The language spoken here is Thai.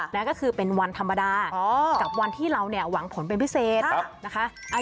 นั่นก็คือเป็นวันธรรมดากับวันที่เราเนี่ยหวังผลเป็นพิเศษนะคะ